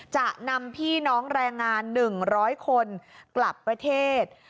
จะนำพี่น้องแรงงาน๑๐๐คนกลับประเทศ